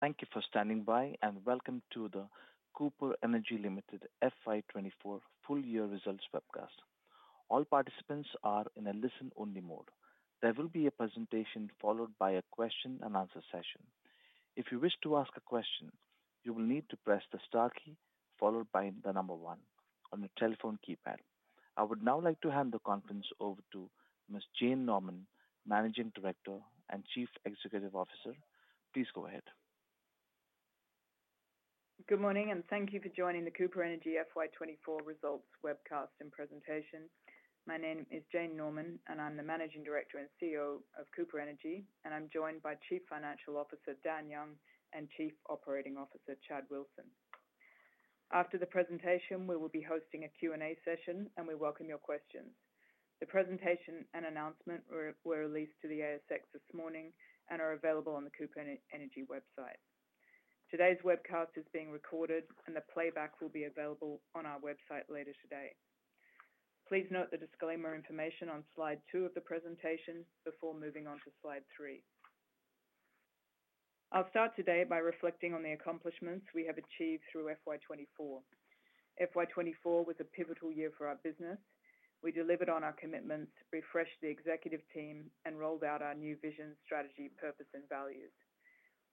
Thank you for standing by, and welcome to the Cooper Energy Limited FY 2024 full year results webcast. All participants are in a listen-only mode. There will be a presentation followed by a question-and-answer session. If you wish to ask a question, you will need to press the star key, followed by the number one on your telephone keypad. I would now like to hand the conference over to Ms. Jane Norman, Managing Director and Chief Executive Officer. Please go ahead. Good morning, and thank you for joining the Cooper Energy FY 2024 results webcast and presentation. My name is Jane Norman, and I'm the Managing Director and CEO of Cooper Energy, and I'm joined by Chief Financial Officer, Dan Young, and Chief Operating Officer, Chad Wilson. After the presentation, we will be hosting a Q&A session, and we welcome your questions. The presentation and announcement were released to the ASX this morning and are available on the Cooper Energy website. Today's webcast is being recorded, and the playback will be available on our website later today. Please note the disclaimer information on slide two of the presentation before moving on to slide three. I'll start today by reflecting on the accomplishments we have achieved through FY 2024. FY 2024 was a pivotal year for our business. We delivered on our commitments, refreshed the executive team, and rolled out our new vision, strategy, purpose, and values.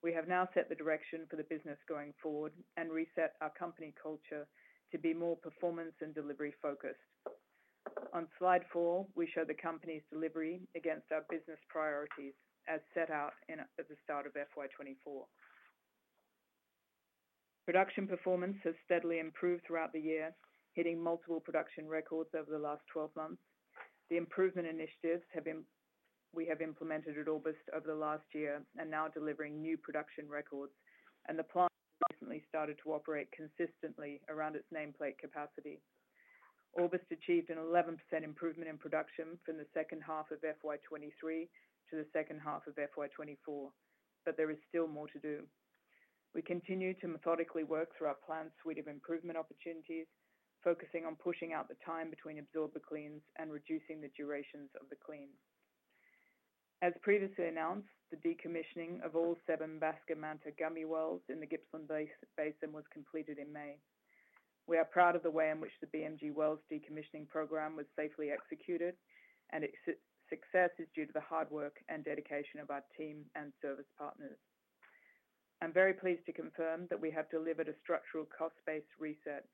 We have now set the direction for the business going forward and reset our company culture to be more performance and delivery-focused. On slide four, we show the company's delivery against our business priorities as set out at the start of FY 2024. Production performance has steadily improved throughout the year, hitting multiple production records over the last 12 months. The improvement initiatives we have implemented at Orbost over the last year are now delivering new production records, and the plant recently started to operate consistently around its nameplate capacity. Orbost achieved an 11% improvement in production from the second half of FY 2023 to the second half of FY 2024, but there is still more to do. We continue to methodically work through our planned suite of improvement opportunities, focusing on pushing out the time between absorber cleans and reducing the durations of the cleans. As previously announced, the decommissioning of all seven Basker-Manta-Gummy wells in the Gippsland Basin was completed in May. We are proud of the way in which the BMG wells decommissioning program was safely executed, and its success is due to the hard work and dedication of our team and service partners. I'm very pleased to confirm that we have delivered a structural cost-based reset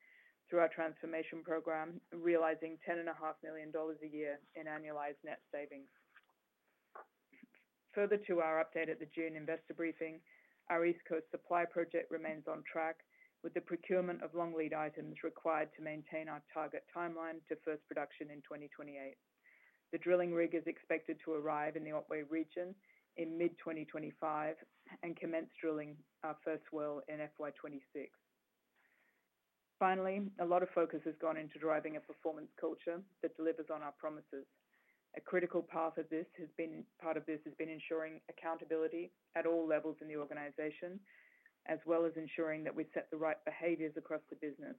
through our transformation program, realizing 10.5 million dollars a year in annualized net savings. Further to our update at the June investor briefing, our East Coast Supply Project remains on track, with the procurement of long lead items required to maintain our target timeline to first production in 2028. The drilling rig is expected to arrive in the Otway region in mid-2025 and commence drilling our first well in FY 2026. Finally, a lot of focus has gone into driving a performance culture that delivers on our promises. A critical part of this has been ensuring accountability at all levels in the organization, as well as ensuring that we set the right behaviors across the business.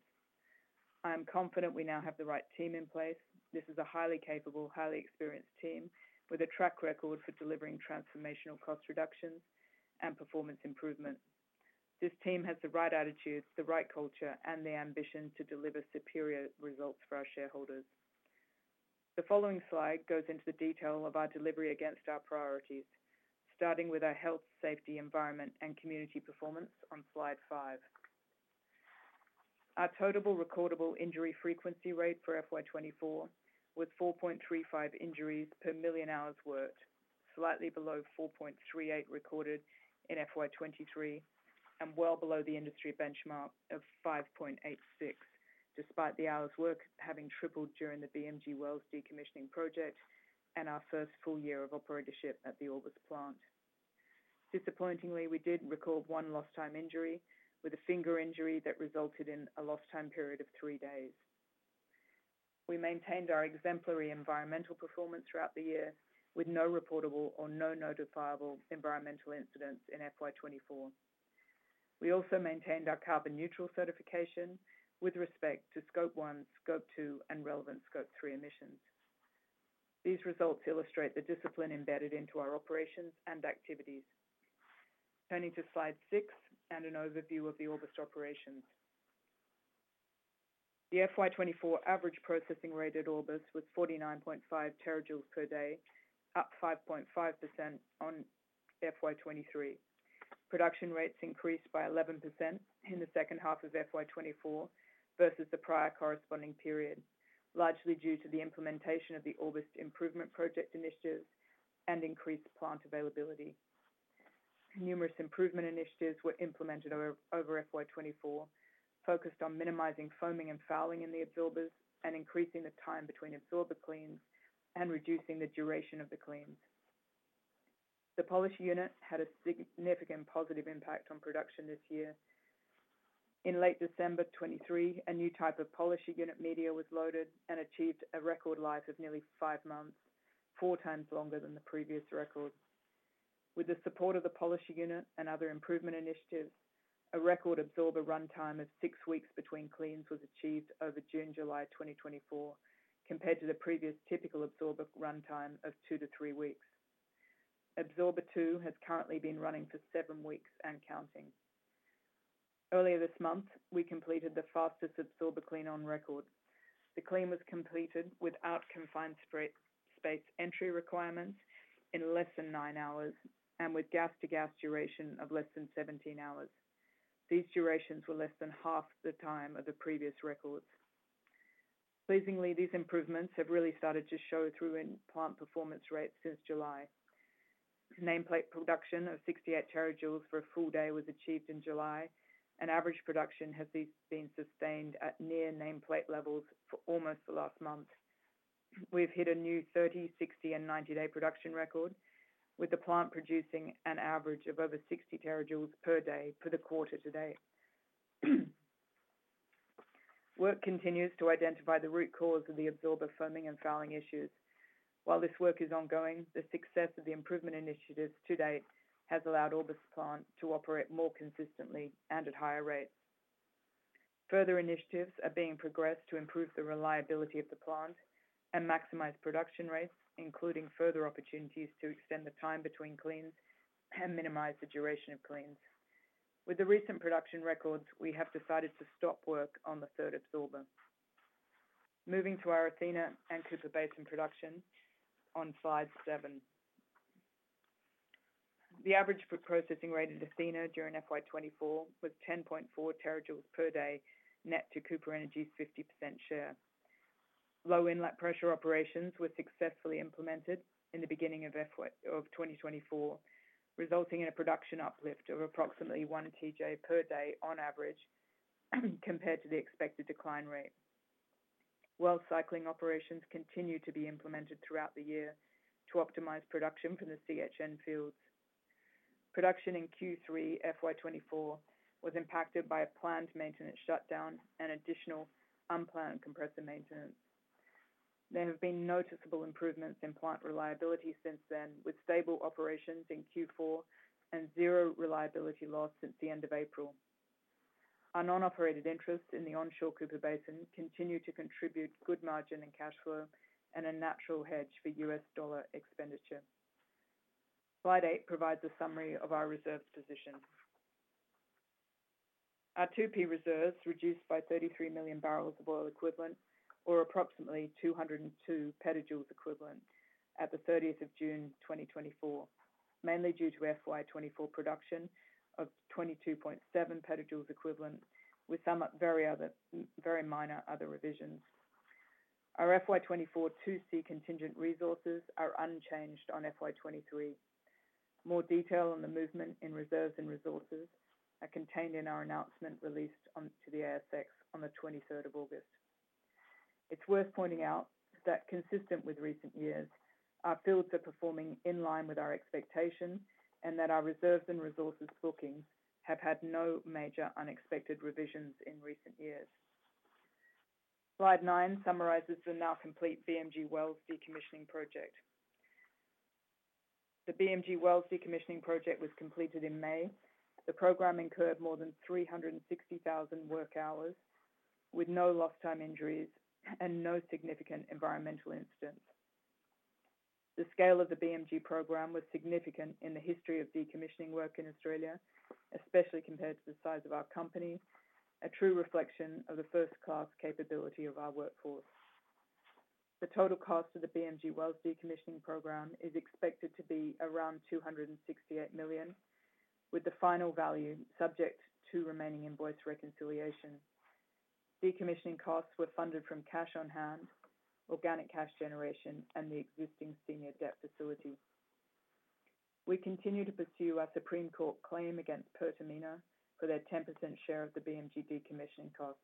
I am confident we now have the right team in place. This is a highly capable, highly experienced team with a track record for delivering transformational cost reductions and performance improvement. This team has the right attitude, the right culture, and the ambition to deliver superior results for our shareholders. The following slide goes into the detail of our delivery against our priorities, starting with our health, safety, environment and community performance on slide five. Our total recordable injury frequency rate for FY 2024 was 4.35 injuries per million hours worked, slightly below 4.38 recorded in FY 2023, and well below the industry benchmark of 5.86, despite the hours worked having tripled during the BMG Wells decommissioning project and our first full year of operatorship at the Orbost plant. Disappointingly, we did record one lost time injury, with a finger injury that resulted in a lost time period of three days. We maintained our exemplary environmental performance throughout the year, with no reportable or no notifiable environmental incidents in FY 2024. We also maintained our carbon neutral certification with respect to Scope 1, Scope 2, and relevant Scope 3 emissions. These results illustrate the discipline embedded into our operations and activities. Turning to slide six and an overview of the Orbost operations. The FY 2024 average processing rate at Orbost was 49.5 TJ per day, up 5.5% on FY 2023. Production rates increased by 11% in the second half of FY 2024 versus the prior corresponding period, largely due to the implementation of the Orbost Improvement Project initiatives and increased plant availability. Numerous improvement initiatives were implemented over FY 2024, focused on minimizing foaming and fouling in the absorbers and increasing the time between absorber cleans and reducing the duration of the cleans. The polisher unit had a significant positive impact on production this year. In late December 2023, a new type of polisher unit media was loaded and achieved a record life of nearly five months, 4x longer than the previous record. With the support of the polisher unit and other improvement initiatives. A record absorber runtime of six weeks between cleans was achieved over June, July 2024, compared to the previous typical absorber runtime of two to three weeks. Absorber two has currently been running for seven weeks and counting. Earlier this month, we completed the fastest absorber clean on record. The clean was completed without confined space entry requirements in less than nine hours, and with gas-to-gas duration of less than 17 hours. These durations were less than half the time of the previous records. Pleasingly, these improvements have really started to show through in plant performance rates since July. Nameplate production of 68 TJ for a full day was achieved in July, and average production has been sustained at near nameplate levels for almost the last month. We've hit a new 30-day, 60-day, and 90-day production record, with the plant producing an average of over 60 TJ per day for the quarter to date. Work continues to identify the root cause of the absorber foaming and fouling issues. While this work is ongoing, the success of the improvement initiatives to date has allowed Orbost plant to operate more consistently and at higher rates. Further initiatives are being progressed to improve the reliability of the plant and maximize production rates, including further opportunities to extend the time between cleans and minimize the duration of cleans. With the recent production records, we have decided to stop work on the third absorber. Moving to our Athena and Cooper Basin production on slide 7. The average processing rate at Athena during FY 2024 was 10.4 TJ per day, net to Cooper Energy's 50% share. Low inlet pressure operations were successfully implemented in the beginning of FY of 2024, resulting in a production uplift of approximately 1 TJ per day on average, compared to the expected decline rate. Well cycling operations continue to be implemented throughout the year to optimize production for the CHN fields. Production in Q3 FY 2024 was impacted by a planned maintenance shutdown and additional unplanned compressor maintenance. There have been noticeable improvements in plant reliability since then, with stable operations in Q4 and zero reliability loss since the end of April. Our non-operated interest in the onshore Cooper Basin continue to contribute good margin and cash flow, and a natural hedge for US dollar expenditure. slide eight provides a summary of our reserves position. Our 2P reserves reduced by 33 million bbl of oil equivalent, or approximately 202 PJ equivalent at the thirtieth of June 2024, mainly due to FY 2024 production of 22.7 PJ equivalent, with some very minor other revisions. Our FY 2024 2C contingent resources are unchanged on FY 2023. More detail on the movement in reserves and resources are contained in our announcement released on to the ASX on the 23rd of August. It's worth pointing out that consistent with recent years, our fields are performing in line with our expectations, and that our reserves and resources booking have had no major unexpected revisions in recent years. slide 9 summarizes the now complete BMG Wells decommissioning project. The BMG Wells decommissioning project was completed in May. The program incurred more than 360,000 work hours, with no lost time injuries and no significant environmental incidents. The scale of the BMG program was significant in the history of decommissioning work in Australia, especially compared to the size of our company, a true reflection of the first-class capability of our workforce. The total cost of the BMG Wells decommissioning program is expected to be around 268 million, with the final value subject to remaining invoice reconciliation. Decommissioning costs were funded from cash on hand, organic cash generation, and the existing senior debt facility. We continue to pursue our Supreme Court claim against Pertamina for their 10% share of the BMG decommissioning cost.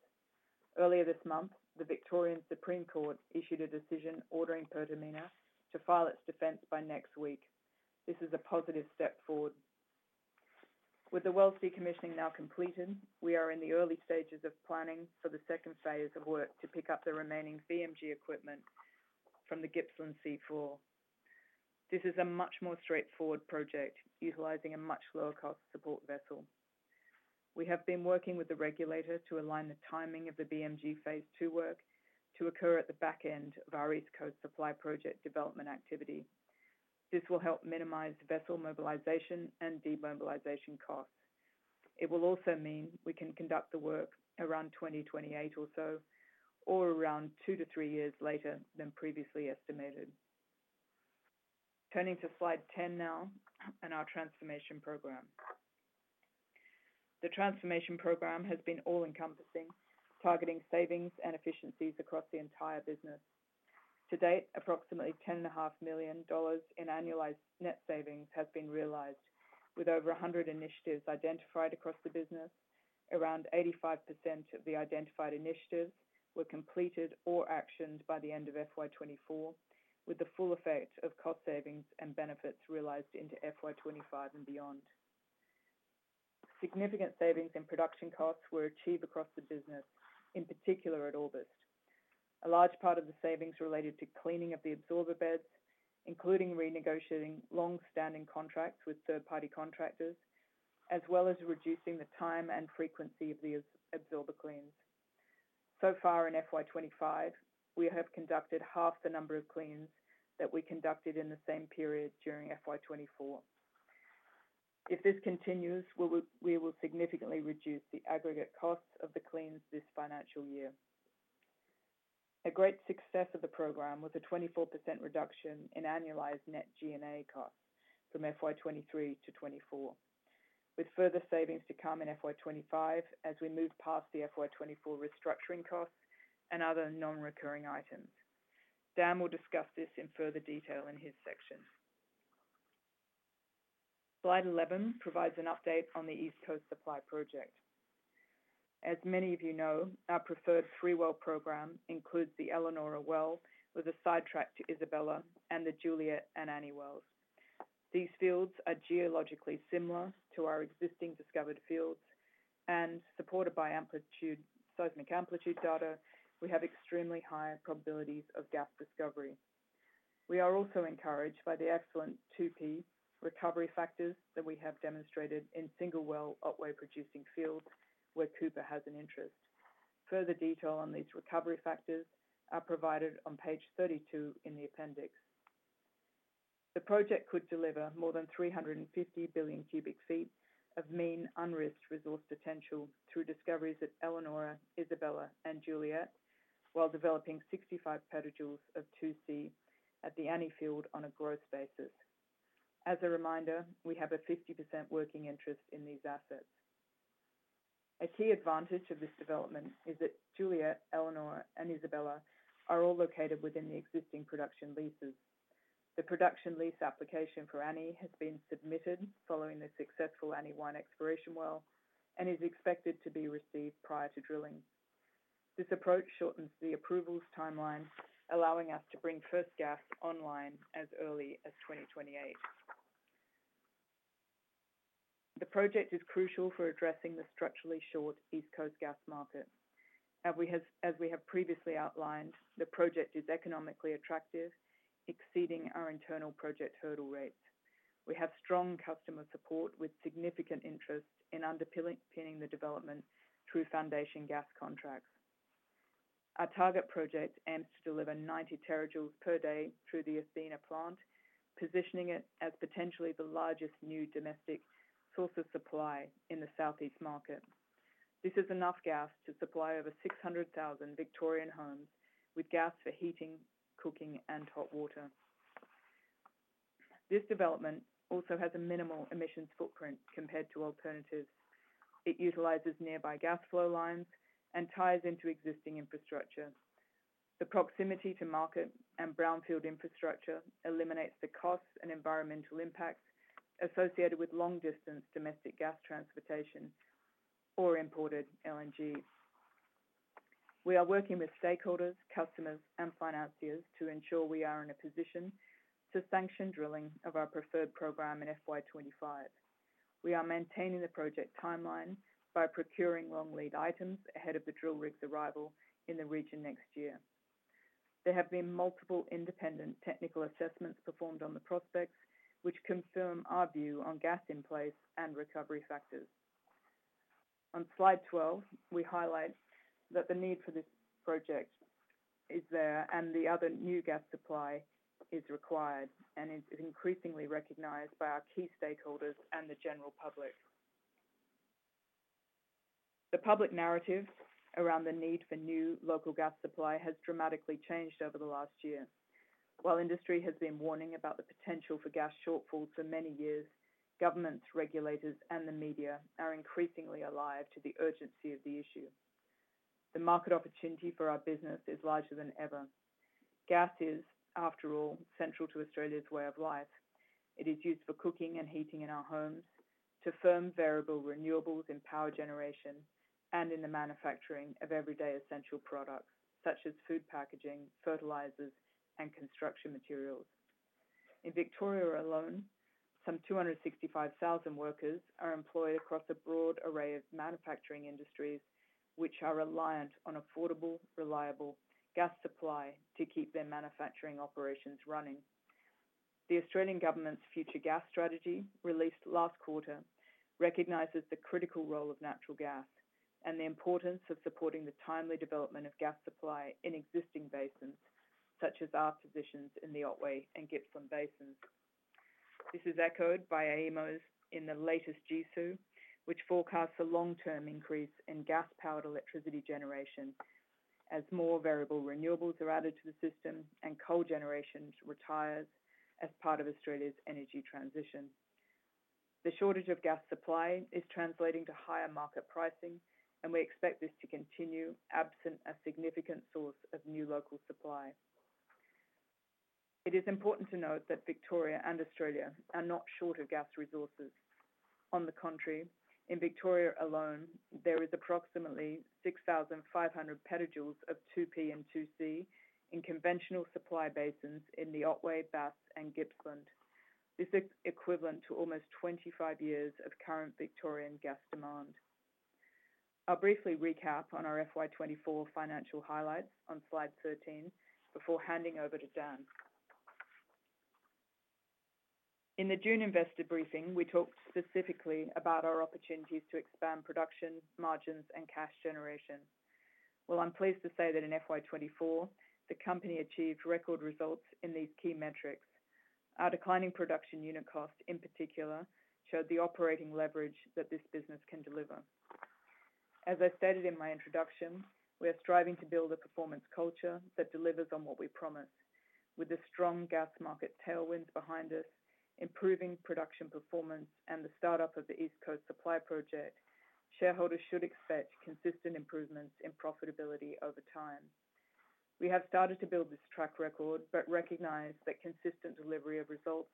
Earlier this month, the Victorian Supreme Court issued a decision ordering Pertamina to file its defense by next week. This is a positive step forward. With the well decommissioning now completed, we are in the early stages of planning for the second phase of work to pick up the remaining BMG equipment from the Gippsland sea floor. This is a much more straightforward project, utilizing a much lower cost support vessel. We have been working with the regulator to align the timing of the BMG Phase II work to occur at the back end of our East Coast Supply Project development activity. This will help minimize vessel mobilization and demobilization costs. It will also mean we can conduct the work around 2028 or so, or around two to three years later than previously estimated. Turning to slide 10 now, and our transformation program. The transformation program has been all-encompassing, targeting savings and efficiencies across the entire business. To date, approximately 10.5 million dollars in annualized net savings have been realized. With over a hundred initiatives identified across the business, around 85% of the identified initiatives were completed or actioned by the end of FY 2024, with the full effect of cost savings and benefits realized into FY 2025 and beyond. Significant savings in production costs were achieved across the business, in particular at Orbost. A large part of the savings related to cleaning of the absorber beds, including renegotiating long-standing contracts with third-party contractors, as well as reducing the time and frequency of the absorber cleans. So far in FY 2025, we have conducted half the number of cleans that we conducted in the same period during FY 2024. If this continues, we will significantly reduce the aggregate costs of the cleans this financial year. A great success of the program was a 24% reduction in annualized net G&A costs from FY 2023 to 2024, with further savings to come in FY 2025 as we move past the FY 2024 restructuring costs and other non-recurring items. Dan will discuss this in further detail in his section. Slide 11 provides an update on the East Coast Supply Project. As many of you know, our preferred three-well program includes the Elanora well, with a sidetrack to Isabella and the Juliet and Annie wells. These fields are geologically similar to our existing discovered fields, and supported by amplitude seismic data, we have extremely high probabilities of gas discovery. We are also encouraged by the excellent 2P recovery factors that we have demonstrated in single well Otway producing fields, where Cooper has an interest. Further detail on these recovery factors are provided on page 32 in the appendix. The project could deliver more than 350 billion cubic feet of mean unrisked resource potential through discoveries at Elanora, Isabella, and Juliet, while developing 65 PJ of 2C at the Annie field on a gross basis. As a reminder, we have a 50% working interest in these assets. A key advantage of this development is that Juliet, Elanora, and Isabella are all located within the existing production leases. The production lease application for Annie has been submitted following the successful Annie-1 exploration well, and is expected to be received prior to drilling. This approach shortens the approvals timeline, allowing us to bring first gas online as early as 2028. The project is crucial for addressing the structurally short East Coast gas market. As we have previously outlined, the project is economically attractive, exceeding our internal project hurdle rates. We have strong customer support, with significant interest in underpinning the development through foundation gas contracts. Our target project aims to deliver 90 TJ per day through the Athena plant, positioning it as potentially the largest new domestic source of supply in the Southeast market. This is enough gas to supply over 600,000 Victorian homes with gas for heating, cooking, and hot water. This development also has a minimal emissions footprint compared to alternatives. It utilizes nearby gas flow lines and ties into existing infrastructure. The proximity to market and brownfield infrastructure eliminates the costs and environmental impacts associated with long-distance domestic gas transportation or imported LNG. We are working with stakeholders, customers, and financiers to ensure we are in a position to sanction drilling of our preferred program in FY 2025. We are maintaining the project timeline by procuring long lead items ahead of the drill rig's arrival in the region next year. There have been multiple independent technical assessments performed on the prospects, which confirm our view on gas in place and recovery factors. On slide 12, we highlight that the need for this project is there, and the other new gas supply is required and is increasingly recognized by our key stakeholders and the general public. The public narrative around the need for new local gas supply has dramatically changed over the last year. While industry has been warning about the potential for gas shortfalls for many years, governments, regulators, and the media are increasingly alive to the urgency of the issue. The market opportunity for our business is larger than ever. Gas is, after all, central to Australia's way of life. It is used for cooking and heating in our homes, to firm variable renewables in power generation, and in the manufacturing of everyday essential products, such as food packaging, fertilizers, and construction materials. In Victoria alone, some 265,000 workers are employed across a broad array of manufacturing industries, which are reliant on affordable, reliable gas supply to keep their manufacturing operations running. The Australian government's Future Gas Strategy, released last quarter, recognizes the critical role of natural gas and the importance of supporting the timely development of gas supply in existing basins, such as our positions in the Otway Basin and Gippsland Basin. This is echoed by AEMO's in the latest GSSO, which forecasts a long-term increase in gas-powered electricity generation as more variable renewables are added to the system and coal generation retires as part of Australia's energy transition. The shortage of gas supply is translating to higher market pricing, and we expect this to continue absent a significant source of new local supply. It is important to note that Victoria and Australia are not short of gas resources. On the contrary, in Victoria alone, there is approximately 6,500 PJ of 2P and 2C in conventional supply basins in the Otway, Bass, and Gippsland. This is equivalent to almost twenty-five years of current Victorian gas demand. I'll briefly recap on our FY 2024 financial highlights on slide thirteen, before handing over to Dan. In the June investor briefing, we talked specifically about our opportunities to expand production, margins, and cash generation. I'm pleased to say that in FY 2024, the company achieved record results in these key metrics. Our declining production unit cost, in particular, showed the operating leverage that this business can deliver. As I stated in my introduction, we are striving to build a performance culture that delivers on what we promise. With the strong gas market tailwinds behind us, improving production performance, and the startup of the East Coast Supply Project, shareholders should expect consistent improvements in profitability over time. We have started to build this track record, but recognize that consistent delivery of results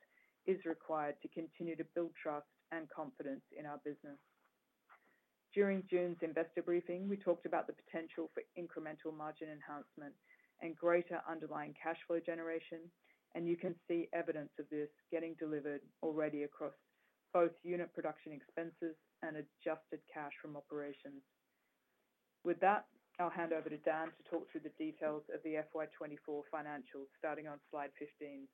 is required to continue to build trust and confidence in our business. During June's investor briefing, we talked about the potential for incremental margin enhancement and greater underlying cash flow generation, and you can see evidence of this getting delivered already across both unit production expenses and adjusted cash from operations. With that, I'll hand over to Dan to talk through the details of the FY 2024 financials, starting on slide 15.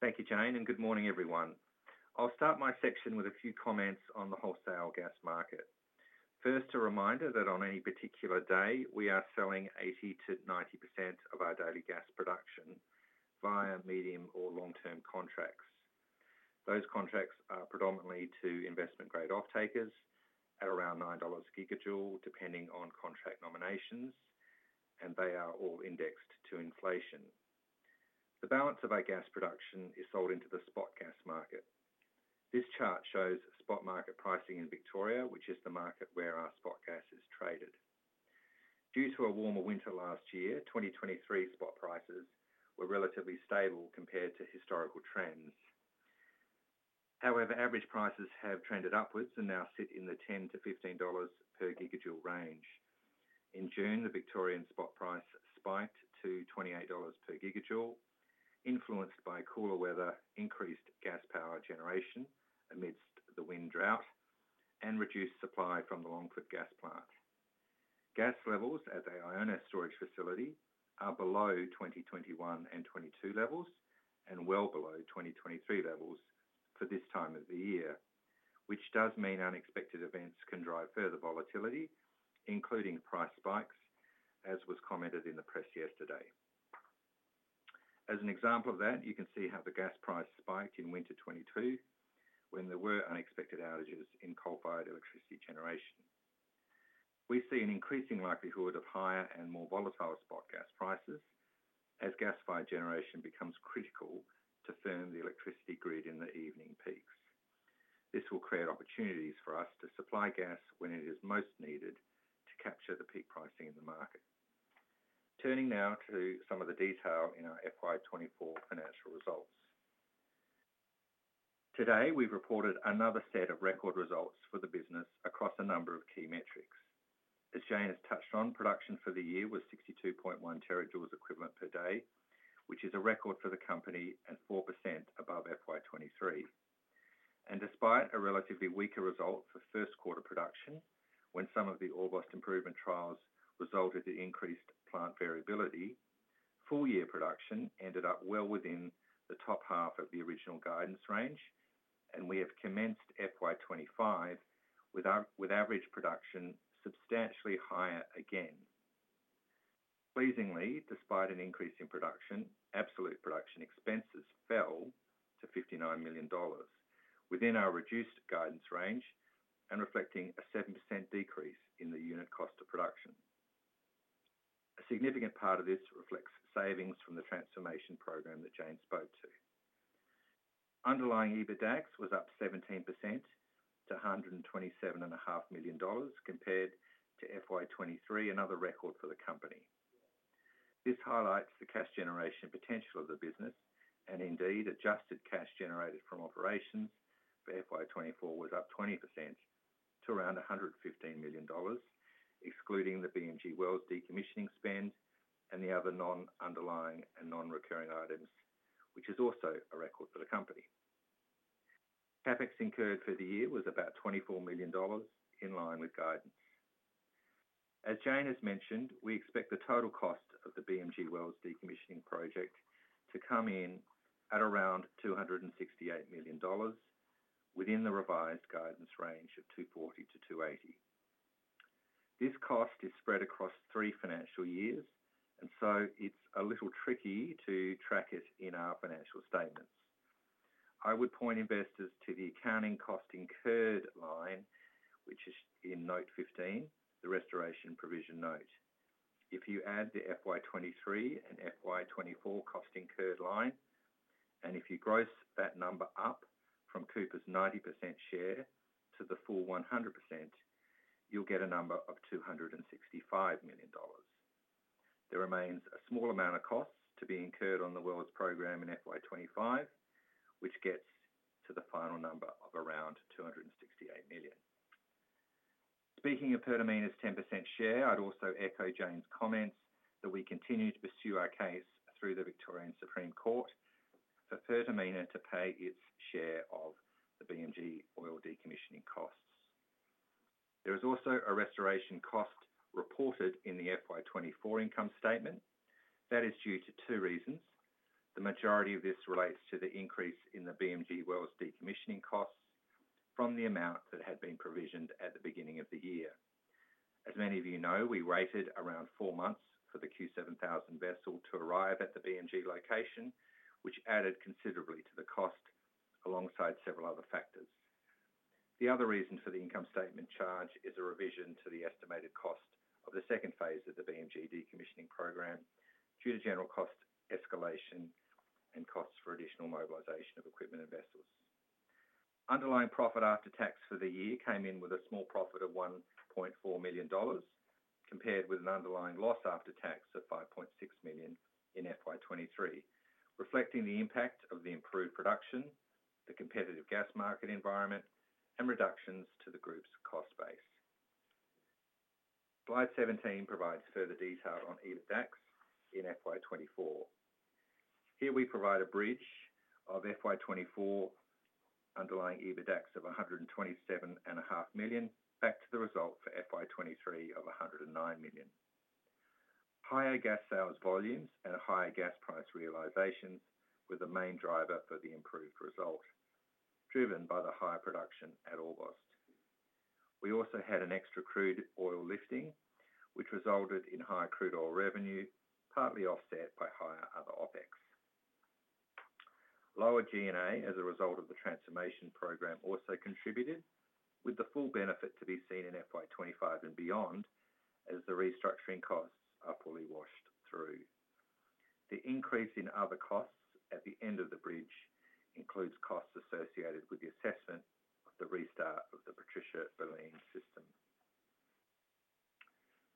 Thank you, Jane, and good morning, everyone. I'll start my section with a few comments on the wholesale gas market. First, a reminder that on any particular day, we are selling 80%-90% of our daily gas production via medium or long-term contracts. Those contracts are predominantly to investment-grade off-takers at around 9 dollars/GJ, depending on contract nominations, and they are all indexed to inflation. The balance of our gas production is sold into the spot gas market. This chart shows spot market pricing in Victoria, which is the market where our spot gas is traded. Due to a warmer winter last year, 2023 spot prices were relatively stable compared to historical trends. However, average prices have trended upwards and now sit in the 10-15 dollars per GJ range. In June, the Victorian spot price spiked to 28 dollars per GJ, influenced by cooler weather, increased gas power generation amidst the wind drought, and reduced supply from the Longford gas plant. Gas levels at the Iona storage facility are below 2021 and 2022 levels, and well below 2023 levels for this time of the year, which does mean unexpected events can drive further volatility, including price spikes, as was commented in the press yesterday. As an example of that, you can see how the gas price spiked in winter 2022 when there were unexpected outages in coal-fired electricity generation. We see an increasing likelihood of higher and more volatile spot gas prices as gas-fired generation becomes critical to firm the electricity grid in the evening peaks. This will create opportunities for us to supply gas when it is most needed to capture the peak pricing in the market. Turning now to some of the detail in our FY 2024 financial results. Today, we've reported another set of record results for the business across a number of key metrics. As Jane has touched on, production for the year was 62.1 TJ equivalent per day, which is a record for the company and 4% above FY 2023. And despite a relatively weaker result for first quarter production, when some of the Orbost improvement trials resulted in increased plant variability, full year production ended up well within the top half of the original guidance range, and we have commenced FY 2025 with average production substantially higher again. Pleasingly, despite an increase in production, absolute production expenses fell to 59 million dollars within our reduced guidance range and reflecting a 7% decrease in the unit cost of production. A significant part of this reflects savings from the transformation program that Jane spoke to. Underlying EBITDAX was up 17% to 127.5 million dollars compared to FY 2023, another record for the company. This highlights the cash generation potential of the business, and indeed, adjusted cash generated from operations for FY 2024 was up 20% to around 115 million dollars, excluding the BMG wells decommissioning spend and the other non-underlying and non-recurring items, which is also a record for the company. CapEx incurred for the year was about 24 million dollars, in line with guidance. As Jane has mentioned, we expect the total cost of the BMG wells decommissioning project to come in at around 268 million dollars, within the revised guidance range of 240 million-280 million. This cost is spread across three financial years, and so it's a little tricky to track it in our financial statements. I would point investors to the accounting cost incurred line, which is in note 15, the restoration provision note. If you add the FY 2023 and FY 2024 cost incurred line, and if you gross that number up from Cooper's 90% share to the full 100%, you'll get a number of 265 million dollars. There remains a small amount of costs to be incurred on the wells program in FY 2025, which gets to the final number of around 268 million. Speaking of Pertamina's 10% share, I'd also echo Jane's comments that we continue to pursue our case through the Victorian Supreme Court for Pertamina to pay its share of the BMG oil decommissioning costs. There is also a restoration cost reported in the FY 2024 income statement. That is due to two reasons: The majority of this relates to the increase in the BMG wells decommissioning costs from the amount that had been provisioned at the beginning of the year. As many of you know, we waited around four months for the Q7000 vessel to arrive at the BMG location, which added considerably to the cost, alongside several other factors. The other reason for the income statement charge is a revision to the estimated cost of the second phase of the BMG decommissioning program, due to general cost escalation and costs for additional mobilization of equipment and vessels. Underlying profit after tax for the year came in with a small profit of 1.4 million dollars, compared with an underlying loss after tax of 5.6 million in FY 2023, reflecting the impact of the improved production, the competitive gas market environment, and reductions to the group's cost base. Slide 17 provides further detail on EBITDAX in FY 2024. Here we provide a bridge of FY 2024 underlying EBITDAX of 127.5 million, back to the result for FY 2023 of 109 million. Higher gas sales volumes and higher gas price realizations were the main driver for the improved result, driven by the higher production at Orbost. We also had an extra crude oil lifting, which resulted in higher crude oil revenue, partly offset by higher other OpEx. Lower G&A, as a result of the transformation program, also contributed, with the full benefit to be seen in FY 2025 and beyond, as the restructuring costs are fully washed through. The increase in other costs at the end of the bridge includes costs associated with the assessment of the restart of the Patricia-Baleen system.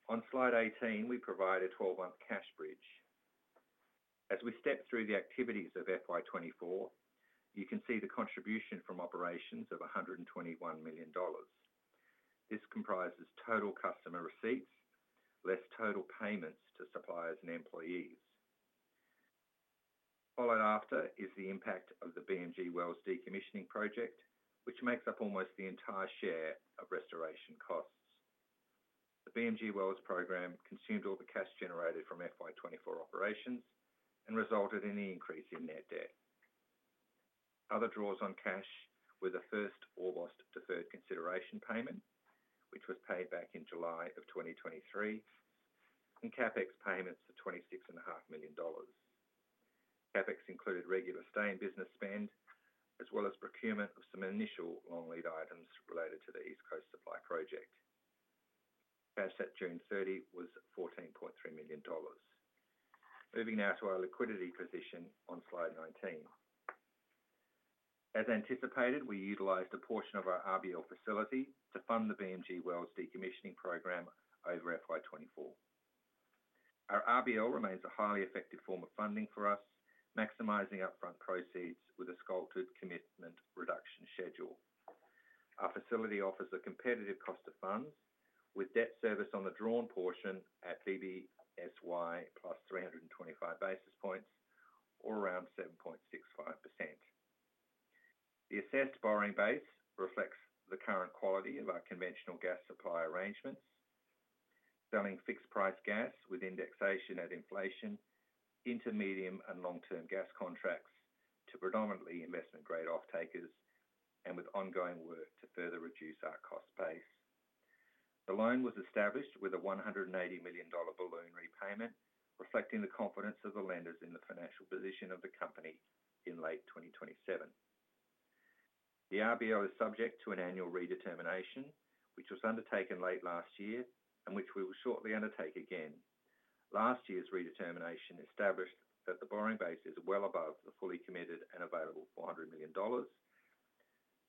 On slide 18, we provide a 12-month cash bridge. As we step through the activities of FY 2024, you can see the contribution from operations of 121 million dollars. This comprises total customer receipts, less total payments to suppliers and employees. Followed after is the impact of the BMG wells decommissioning project, which makes up almost the entire share of restoration costs. The BMG wells program consumed all the cash generated from FY 2024 operations and resulted in the increase in net debt. Other draws on cash were the first Orbost deferred consideration payment, which was paid back in July 2023, and CapEx payments of 26.5 million dollars. CapEx included regular stay in business spend, as well as procurement of some initial long lead items related to the East Coast Supply Project. Cash at June 30 was 14.3 million dollars. Moving now to our liquidity position on slide 19. As anticipated, we utilized a portion of our RBL facility to fund the BMG wells decommissioning program over FY 2024. Our RBL remains a highly effective form of funding for us, maximizing upfront proceeds with a sculpted commitment reduction schedule. Our facility offers a competitive cost of funds with debt service on the drawn portion at BBSY, +325 basis points or around 7.65%. The assessed borrowing base reflects the current quality of our conventional gas supply arrangements, selling fixed price gas with indexation at inflation into medium and long-term gas contracts to predominantly investment-grade off-takers, and with ongoing work to further reduce our cost base. The loan was established with a 180 million dollar balloon repayment, reflecting the confidence of the lenders in the financial position of the company in late 2027. The RBL is subject to an annual redetermination, which was undertaken late last year and which we will shortly undertake again. Last year's redetermination established that the borrowing base is well above the fully committed and available 400 million dollars,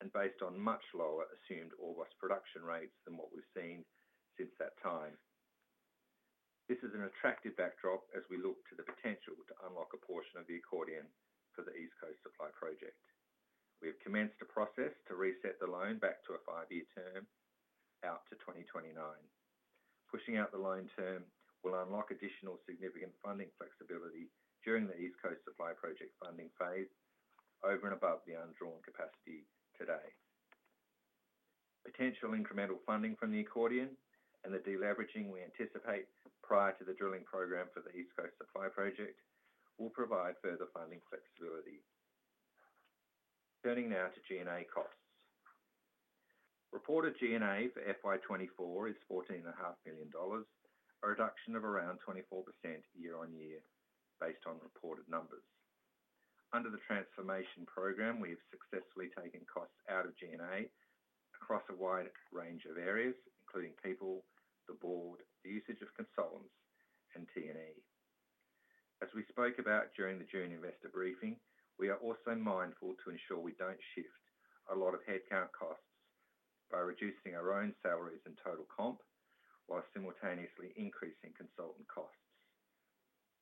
and based on much lower assumed Orbost production rates than what we've seen since that time. This is an attractive backdrop as we look to the potential to unlock a portion of the accordion for the East Coast Supply Project. We have commenced a process to reset the loan back to a five-year term out to 2029. Pushing out the loan term will unlock additional significant funding flexibility during the East Coast Supply Project funding phase, over and above the undrawn capacity today. Potential incremental funding from the accordion and the de-leveraging we anticipate prior to the drilling program for the East Coast Supply Project, will provide further funding flexibility. Turning now to G&A costs. Reported G&A for FY 2024 is 14.5 million dollars, a reduction of around 24% year on year, based on reported numbers. Under the transformation program, we have successfully taken costs out of G&A across a wide range of areas, including people, the board, the usage of consultants, and T&E. As we spoke about during the June investor briefing, we are also mindful to ensure we don't shift a lot of headcount costs by reducing our own salaries and total comp, while simultaneously increasing consultant costs.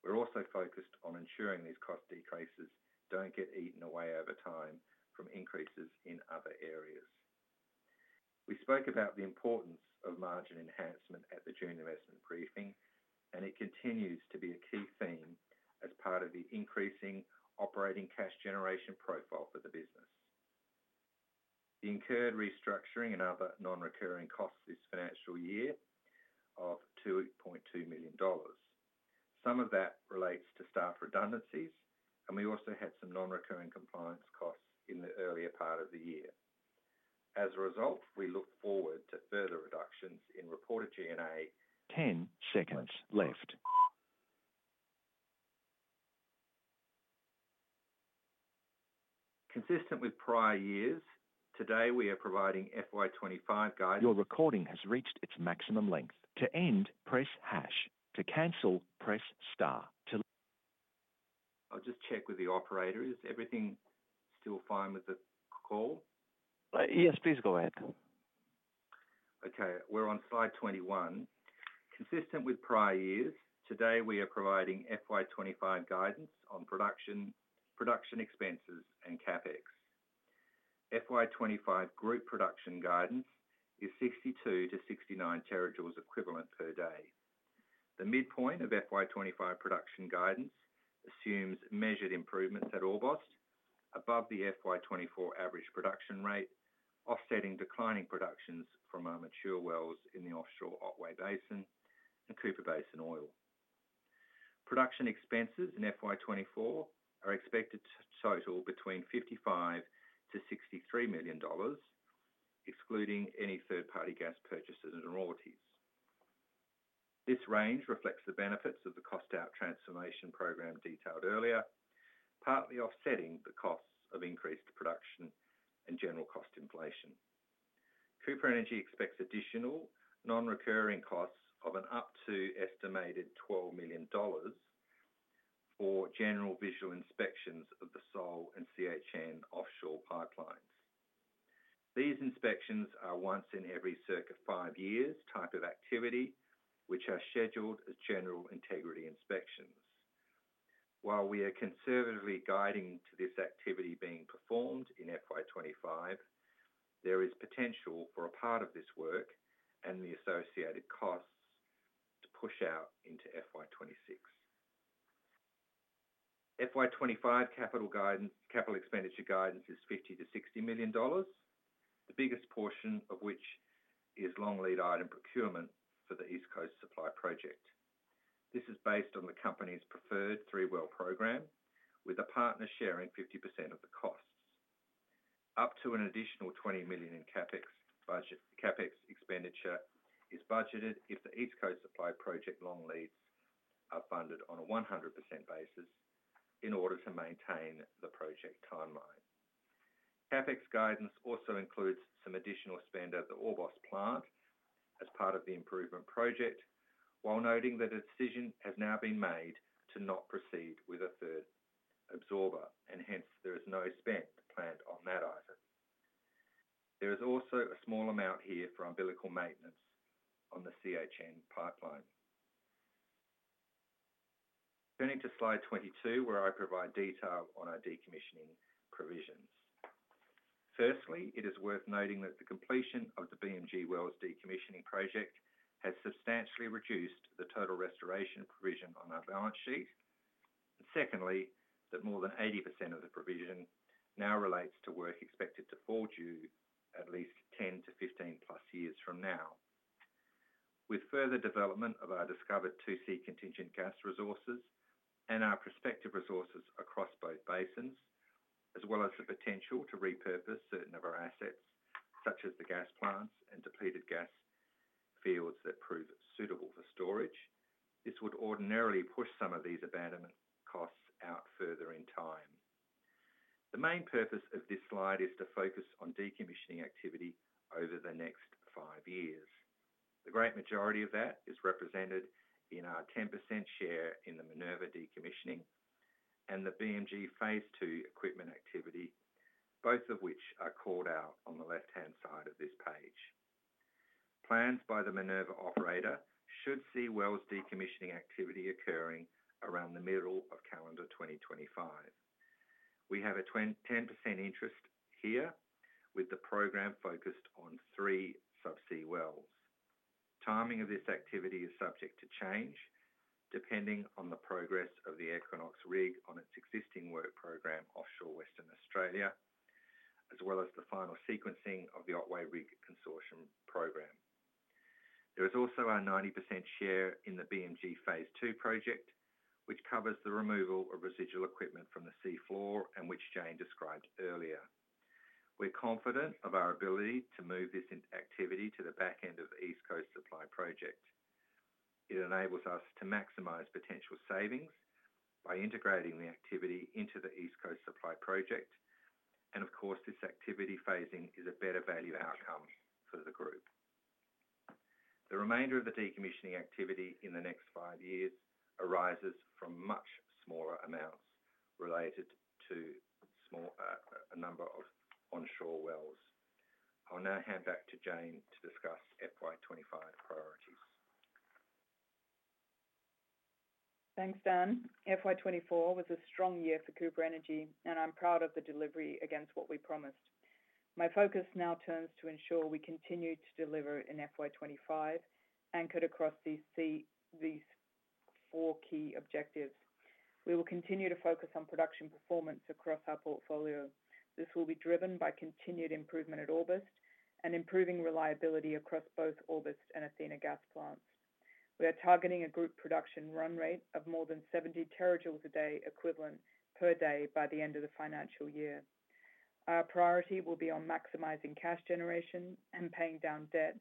We're also focused on ensuring these cost decreases don't get eaten away over time from increases in other areas. We spoke about the importance of margin enhancement at the June investment briefing, and it continues to be a key theme as part of the increasing operating cash generation profile for the business. The incurred restructuring and other non-recurring costs this financial year of 2.2 million dollars. Some of that relates to staff redundancies, and we also had some non-recurring compliance costs in the earlier part of the year. As a result, we look forward to further reductions in reported G&A- Ten seconds left. Consistent with prior years, today we are providing FY 2025 guidance. Your recording has reached its maximum length. To end, press hash. To cancel, press star. To- I'll just check with the operator. Is everything still fine with the call? Yes, please go ahead. Okay, we're on slide 21. Consistent with prior years, today, we are providing FY 2025 guidance on production, production expenses, and CapEx. FY 2025 group production guidance is 62-69 TJ equivalent per day. The midpoint of FY 2025 production guidance assumes measured improvements at Orbost above the FY 2024 average production rate, offsetting declining productions from our mature wells in the offshore Otway Basin and Cooper Basin oil. Production expenses in FY 2024 are expected to total between 55 million-63 million dollars, excluding any third-party gas purchases and royalties. This range reflects the benefits of the cost-out transformation program detailed earlier, partly offsetting the costs of increased production and general cost inflation. Cooper Energy expects additional non-recurring costs of up to an estimated 12 million dollars for general visual inspections of the Sole and CHN offshore pipelines. These inspections are once in every circa five years type of activity, which are scheduled as general integrity inspections. While we are conservatively guiding to this activity being performed in FY 2025, there is potential for a part of this work and the associated costs to push out into FY 2026. FY 2025 capital guidance, capital expenditure guidance is 50 million-60 million dollars, the biggest portion of which is long lead item procurement for the East Coast Supply Project. This is based on the company's preferred three-well program, with a partner sharing 50% of the costs. Up to an additional 20 million in CapEx budget, CapEx expenditure is budgeted if the East Coast Supply Project long leads are funded on a 100% basis in order to maintain the project timeline. CapEx guidance also includes some additional spend at the Orbost plant as part of the improvement project, while noting that a decision has now been made to not proceed with a third absorber, and hence there is no spend planned on that item. There is also a small amount here for umbilical maintenance on the CHN pipeline. Turning to slide 22, where I provide detail on our decommissioning provisions. Firstly, it is worth noting that the completion of the BMG Wells decommissioning project has substantially reduced the total restoration provision on our balance sheet, and secondly, that more than 80% of the provision now relates to work expected to fall due at least 10-15+ years from now. With further development of our discovered 2C contingent gas resources and our prospective resources across both basins, as well as the potential to repurpose certain of our assets, such as the gas plants and depleted gas fields that prove suitable for storage, this would ordinarily push some of these abandonment costs out further in time. The main purpose of this slide is to focus on decommissioning activity over the next five years. The great majority of that is represented in our 10% share in the Minerva decommissioning and the BMG Phase II equipment activity, both of which are called out on the left-hand side of this page. Plans by the Minerva operator should see wells decommissioning activity occurring around the middle of calendar 2025. We have a 10% interest here, with the program focused on three subsea wells. Timing of this activity is subject to change, depending on the progress of the Equinox rig on its existing work program offshore Western Australia, as well as the final sequencing of the Otway Rig Consortium program. There is also our 90% share in the BMG Phase II project, which covers the removal of residual equipment from the sea floor and which Jane described earlier. We're confident of our ability to move this activity to the back end of the East Coast Supply Project. It enables us to maximize potential savings by integrating the activity into the East Coast Supply Project, and of course, this activity phasing is a better value outcome for the group. The remainder of the decommissioning activity in the next five years arises from much smaller amounts related to small, a number of onshore wells. I'll now hand back to Jane to discuss FY 2025 priorities. Thanks, Dan. FY 2024 was a strong year for Cooper Energy, and I'm proud of the delivery against what we promised. My focus now turns to ensure we continue to deliver in FY 2025, anchored across these four key objectives. We will continue to focus on production performance across our portfolio. This will be driven by continued improvement at Orbost and improving reliability across both Orbost and Athena gas plants. We are targeting a group production run rate of more than 70 TJ a day equivalent per day by the end of the financial year. Our priority will be on maximizing cash generation and paying down debt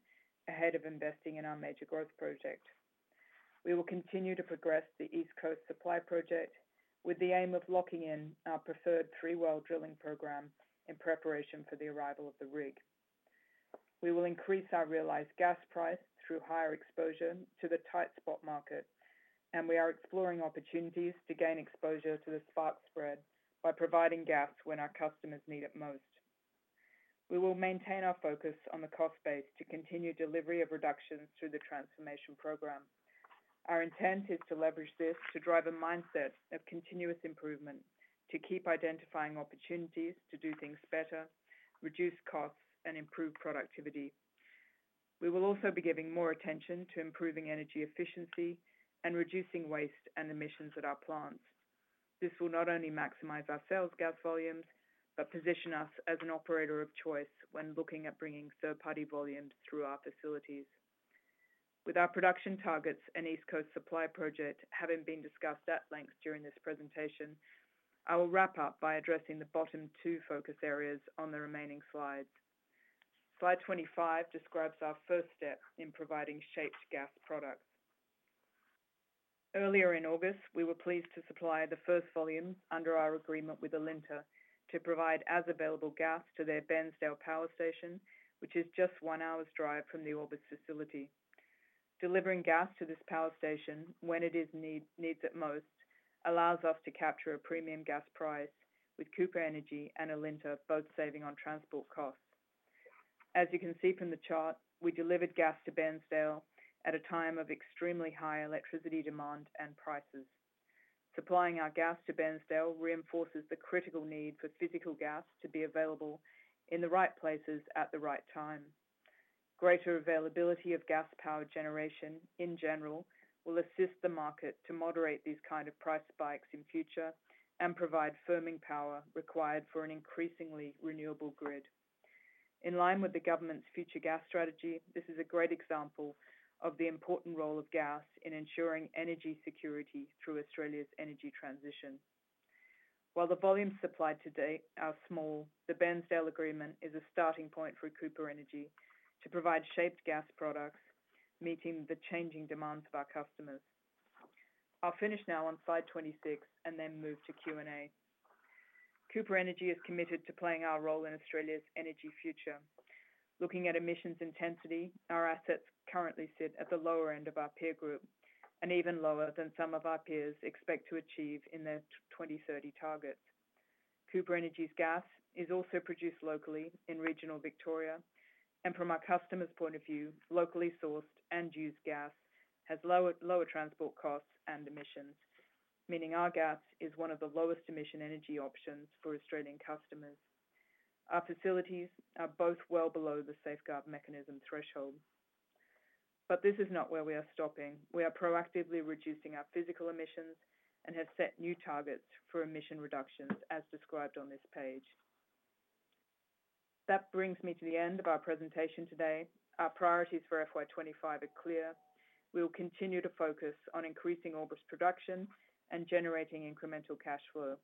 ahead of investing in our major growth project. We will continue to progress the East Coast Supply Project, with the aim of locking in our preferred three-well drilling program in preparation for the arrival of the rig. We will increase our realized gas price through higher exposure to the tight spot market, and we are exploring opportunities to gain exposure to the spot spread by providing gas when our customers need it most. We will maintain our focus on the cost base to continue delivery of reductions through the transformation program. Our intent is to leverage this to drive a mindset of continuous improvement, to keep identifying opportunities, to do things better, reduce costs, and improve productivity. We will also be giving more attention to improving energy efficiency and reducing waste and emissions at our plants. This will not only maximize our sales gas volumes, but position us as an operator of choice when looking at bringing third-party volumes through our facilities. With our production targets and East Coast Supply Project having been discussed at length during this presentation, I will wrap up by addressing the bottom two focus areas on the remaining slides. Slide 25 describes our first step in providing shaped gas products. Earlier in August, we were pleased to supply the first volume under our agreement with Alinta to provide as available gas to their Bairnsdale Power Station, which is just one hour's drive from the Orbost facility. Delivering gas to this power station when it needs it most allows us to capture a premium gas price with Cooper Energy and Alinta both saving on transport costs. As you can see from the chart, we delivered gas to Bairnsdale at a time of extremely high electricity demand and prices. Supplying our gas to Bairnsdale reinforces the critical need for physical gas to be available in the right places at the right time. Greater availability of gas-powered generation, in general, will assist the market to moderate these kind of price spikes in future and provide firming power required for an increasingly renewable grid. In line with the government's Future Gas Strategy, this is a great example of the important role of gas in ensuring energy security through Australia's energy transition. While the volumes supplied to date are small, the Bairnsdale agreement is a starting point for Cooper Energy to provide shaped gas products, meeting the changing demands of our customers. I'll finish now on slide 26 and then move to Q&A. Cooper Energy is committed to playing our role in Australia's energy future. Looking at emissions intensity, our assets currently sit at the lower end of our peer group and even lower than some of our peers expect to achieve in their 2030 targets. Cooper Energy's gas is also produced locally in regional Victoria, and from our customer's point of view, locally sourced and used gas has lower, lower transport costs and emissions, meaning our gas is one of the lowest emission energy options for Australian customers. Our facilities are both well below the Safeguard Mechanism threshold. But this is not where we are stopping. We are proactively reducing our physical emissions and have set new targets for emission reductions, as described on this page. That brings me to the end of our presentation today. Our priorities for FY 2025 are clear. We will continue to focus on increasing Orbost production and generating incremental cash flow.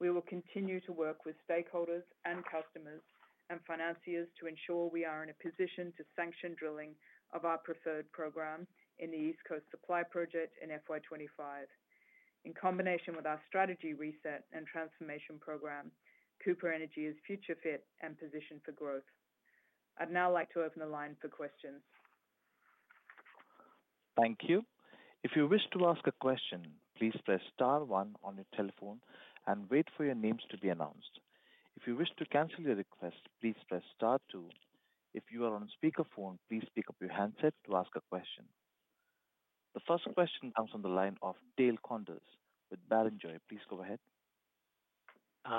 We will continue to work with stakeholders and customers and financiers to ensure we are in a position to sanction drilling of our preferred program in the East Coast Supply Project in FY 2025. In combination with our strategy reset and transformation program, Cooper Energy is future fit and positioned for growth. I'd now like to open the line for questions. Thank you. If you wish to ask a question, please press star one on your telephone and wait for your names to be announced. If you wish to cancel your request, please press star two. If you are on speakerphone, please pick up your handset to ask a question. The first question comes on the line of Dale Koenders with Barrenjoey. Please go ahead.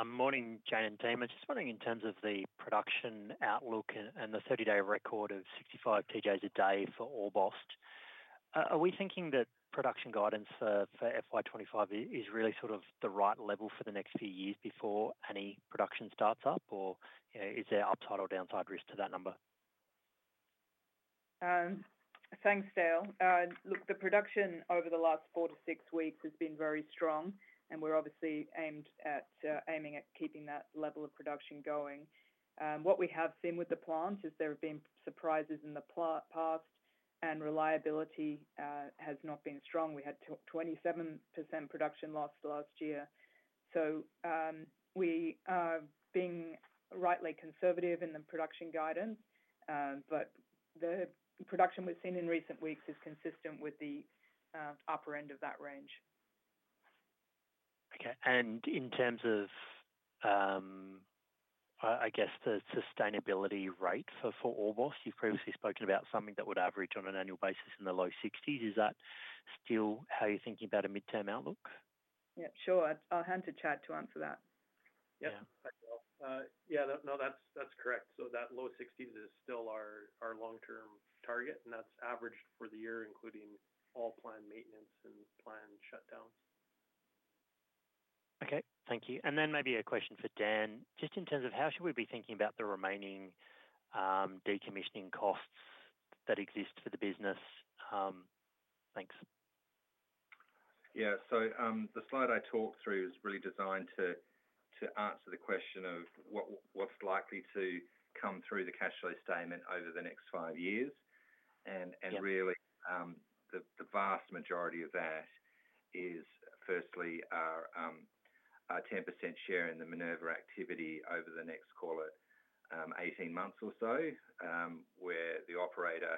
Morning, Jane and team. I'm just wondering in terms of the production outlook and the 30-day record of 65 TJs a day for Orbost. Are we thinking that production guidance for FY 2025 is really sort of the right level for the next few years before any production starts up? Or, you know, is there upside or downside risk to that number? Thanks, Dale. Look, the production over the last four to six weeks has been very strong, and we're obviously aiming at keeping that level of production going. What we have seen with the plant is there have been surprises in the past and reliability has not been strong. We had 27% production loss last year, so we are being rightly conservative in the production guidance. But the production we've seen in recent weeks is consistent with the upper end of that range. Okay, and in terms of, I guess, the sustainability rate for Orbost, you've previously spoken about something that would average on an annual basis in the low sixties. Is that still how you're thinking about a midterm outlook? Yeah, sure. I'll hand to Chad to answer that. Yeah. Yeah, no, that's, that's correct. So that low 60s is still our, our long-term target, and that's averaged for the year, including all planned maintenance and planned shutdowns. Okay, thank you. And then maybe a question for Dan. Just in terms of how should we be thinking about the remaining decommissioning costs that exist for the business? Thanks. Yeah. So, the slide I talked through is really designed to answer the question of what's likely to come through the cash flow statement over the next five years. And really, the vast majority of that is firstly our 10% share in the Minerva activity over the next, call it, 18 months or so, where the operator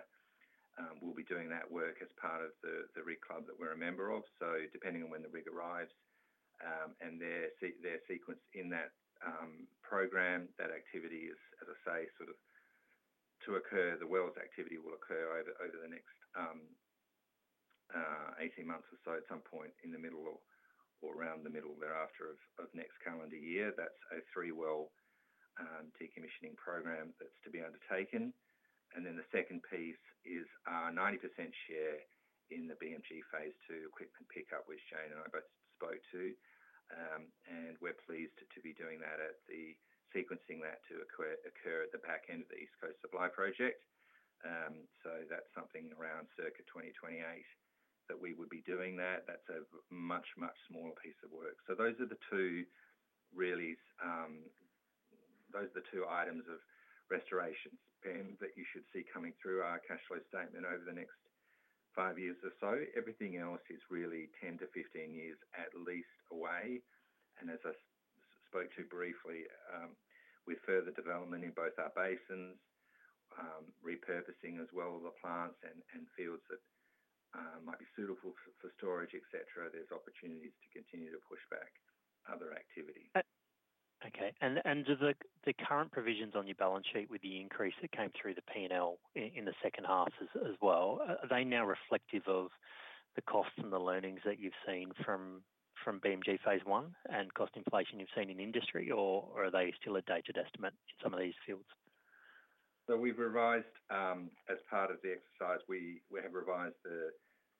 will be doing that work as part of the rig club that we're a member of. So depending on when the rig arrives, and their sequence in that program, that activity is, as I say, sort of to occur. The wells activity will occur over the next 18 months or so, at some point in the middle or around the middle thereafter of next calendar year. That's a three-well decommissioning program that's to be undertaken. And then the second piece is our 90% share in the BMG Phase II equipment pickup, which Jane and I both spoke to. And we're pleased to be doing that, sequencing that to occur at the back end of the East Coast Supply Project. So that's something around circa 2028 that we would be doing that. That's a much, much smaller piece of work. So those are the two really, those are the two items of restorations that you should see coming through our cash flow statement over the next five years or so. Everything else is really 10-15 years at least away. And as I spoke to briefly, with further development in both our basins, repurposing as well the plants and fields that might be suitable for storage, et cetera, there's opportunities to continue to push back other activities. Okay. Do the current provisions on your balance sheet with the increase that came through the P&L in the second half as well, are they now reflective of the costs and the learnings that you've seen from BMG Phase I and cost inflation you've seen in industry? Or are they still a dated estimate in some of these fields? So we've revised as part of the exercise, we have revised the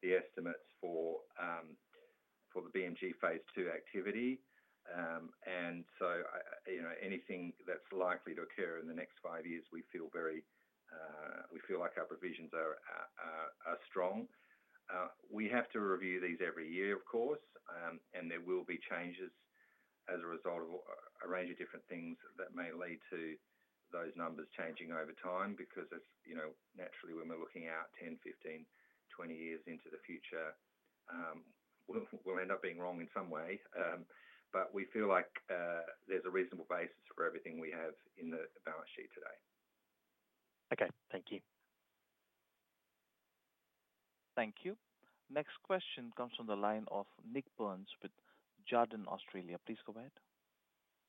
estimates for the BMG Phase II activity, and so you know, anything that's likely to occur in the next five years, we feel very, we feel like our provisions are strong. We have to review these every year, of course, and there will be changes as a result of a range of different things that may lead to those numbers changing over time. Because as you know, naturally, when we're looking out 10, 15, 20 years into the future, we'll end up being wrong in some way, but we feel like there's a reasonable basis for everything we have in the balance sheet today. Okay. Thank you. Thank you. Next question comes from the line of Nik Burns with Jarden Australia. Please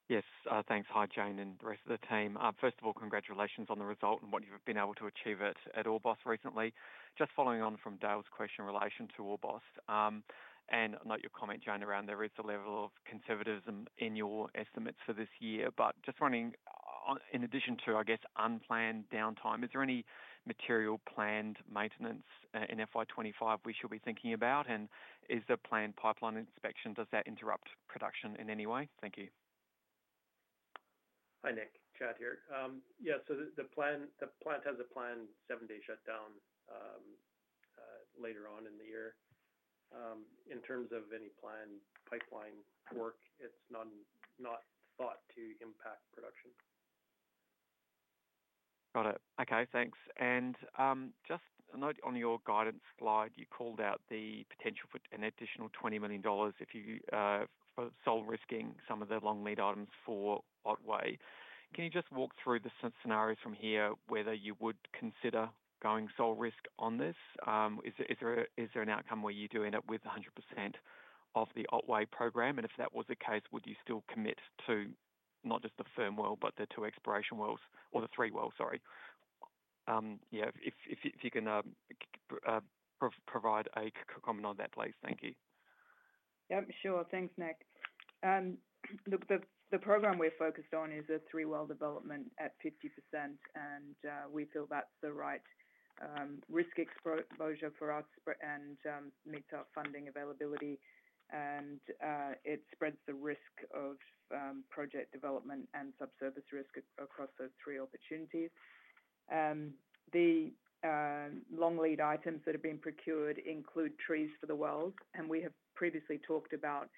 go ahead. Yes, thanks. Hi, Jane and the rest of the team. First of all, congratulations on the result and what you've been able to achieve at Orbost recently. Just following on from Dale's question in relation to Orbost, and I note your comment, Jane, around there is a level of conservatism in your estimates for this year. But just wondering, in addition to, I guess, unplanned downtime, is there any material planned maintenance in FY 2025 we should be thinking about? And is there planned pipeline inspection? Does that interrupt production in any way? Thank you. Hi, Nik. Chad here. The plant has a planned seven-day shutdown later on in the year. In terms of any planned pipeline work, it's none, not thought to impact production. Got it. Okay, thanks. And, just a note on your guidance slide, you called out the potential for an additional 20 million dollars if you for sole risking some of the long lead items for Otway. Can you just walk through the scenario from here, whether you would consider going sole risk on this? Is there an outcome where you do end up with 100% of the Otway program? And if that was the case, would you still commit to not just the firm well, but the two exploration wells or the three wells, sorry. Yeah, if you can provide a comment on that, please. Thank you. Yep, sure. Thanks, Nik. Look, the program we're focused on is a three-well development at 50%, and we feel that's the right risk exposure for us, and meets our funding availability, and it spreads the risk of project development and subsurface risk across those three opportunities. The long lead items that have been procured include trees for the wells, and we have previously talked about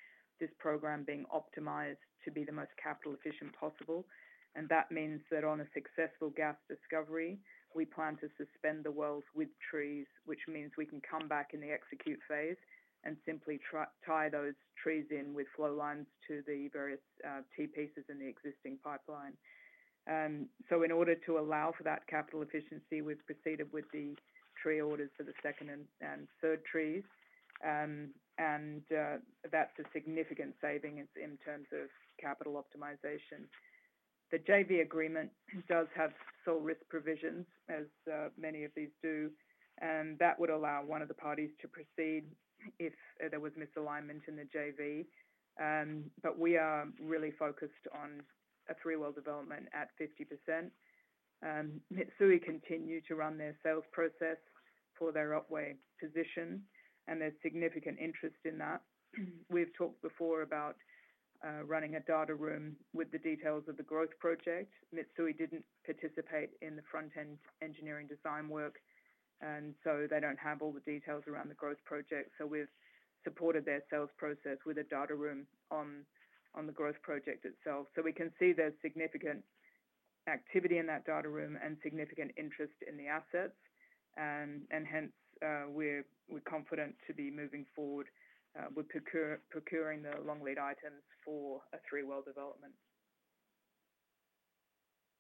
this program being optimized to be the most capital efficient possible, and that means that on a successful gas discovery, we plan to suspend the wells with trees, which means we can come back in the execute phase and simply tie those trees in with flow lines to the various T-pieces in the existing pipeline. So in order to allow for that capital efficiency, we've proceeded with the three orders for the second and third trees. And that's a significant saving in terms of capital optimization. The JV agreement does have sole risk provisions, as many of these do, and that would allow one of the parties to proceed if there was misalignment in the JV. But we are really focused on a three-well development at 50%. Mitsui continue to run their sales process for their Otway position, and there's significant interest in that. We've talked before about running a data room with the details of the growth project. Mitsui didn't participate in the front-end engineering design work, and so they don't have all the details around the growth project. So we've supported their sales process with a data room on the growth project itself. So we can see there's significant activity in that data room and significant interest in the assets. And hence, we're confident to be moving forward with procuring the long lead items for a three-well development.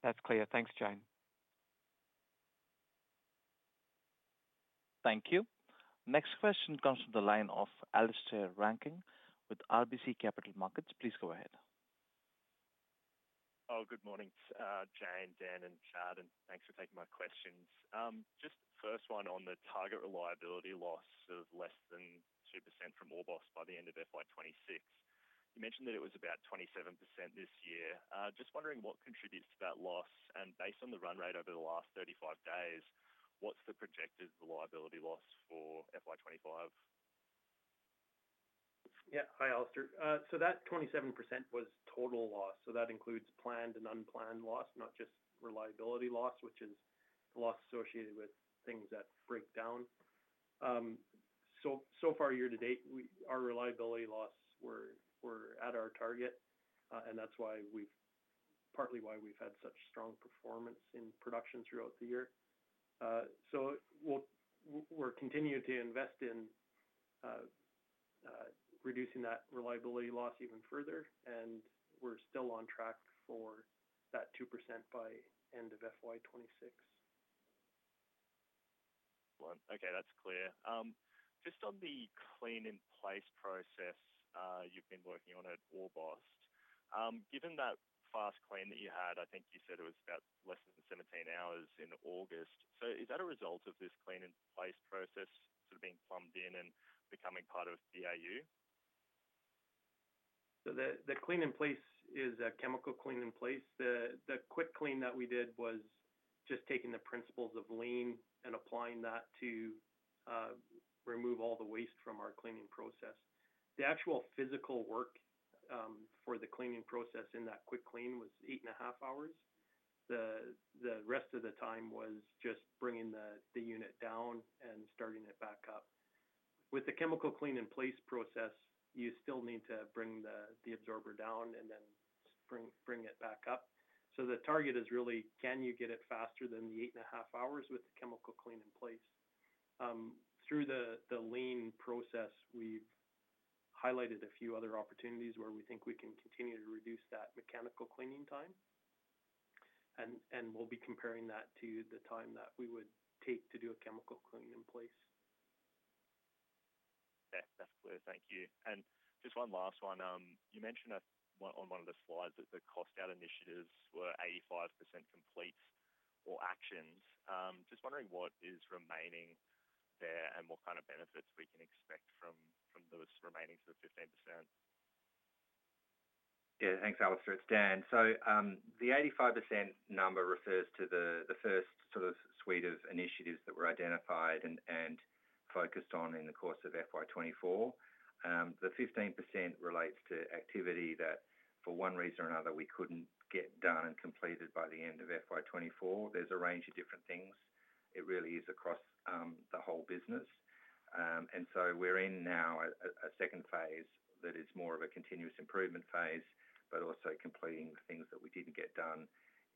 That's clear. Thanks, Jane. Thank you. Next question comes from the line of Alistair Rankin with RBC Capital Markets. Please go ahead. Oh, good morning, Jane, Dan, and Chad, and thanks for taking my questions. Just first one on the target reliability loss of less than 2% from Orbost by the end of FY 2026. You mentioned that it was about 27% this year. Just wondering what contributes to that loss, and based on the run rate over the last 35 days, what's the projected reliability loss for FY 2025? Yeah. Hi, Alistair. So that 27% was total loss, so that includes planned and unplanned loss, not just reliability loss, which is the loss associated with things that break down. So far, year to date, our reliability loss. We're at our target, and that's partly why we've had such strong performance in production throughout the year. So we're continuing to invest in reducing that reliability loss even further, and we're still on track for that 2% by end of FY 2026. Okay, that's clear. Just on the clean-in-place process you've been working on at Orbost. Given that fast clean that you had, I think you said it was about less than 17 hours in August. Is that a result of this clean-in-place process sort of being plumbed in and becoming part of BAU? So the clean-in-place is a chemical clean-in-place. The quick clean that we did was just taking the principles of Lean and applying that to remove all the waste from our cleaning process. The actual physical work for the cleaning process in that quick clean was eight and a half hours. The rest of the time was just bringing the unit down and starting it back up. With the chemical clean-in-place process, you still need to bring the Absorber down and then bring it back up. So the target is really: Can you get it faster than the 8.5 hours with the chemical clean-in-place? Through the Lean process, we've highlighted a few other opportunities where we think we can continue to reduce that mechanical cleaning time. We'll be comparing that to the time that we would take to do a chemical clean-in-place. Yeah, that's clear. Thank you. And just one last one. You mentioned that on one of the slides that the cost out initiatives were 85% complete or actions. Just wondering what is remaining there and what kind of benefits we can expect from those remaining to the 15%. Yeah, thanks, Alistair. It's Dan. So, the 85% number refers to the first sort of suite of initiatives that were identified and focused on in the course of FY 2024. The 15% relates to activity that, for one reason or another, we couldn't get done and completed by the end of FY 2024. There's a range of different things. It really is across the whole business. And so we're in now a second phase that is more of a continuous improvement phase, but also completing the things that we didn't get done